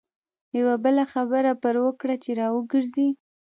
یوه بله خبره پر وکړه چې را وګرځي.